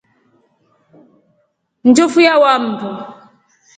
Njofu yawaa mndu.